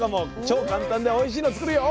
超簡単でおいしいの作るよ。